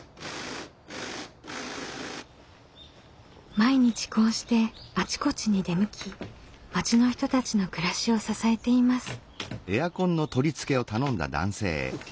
毎日こうしてあちこちに出向き町の人たちの暮らしを支えています。ＯＫ？